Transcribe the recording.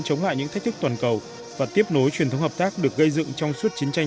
chống lại những thách thức toàn cầu và tiếp nối truyền thống hợp tác được gây dựng trong suốt chiến tranh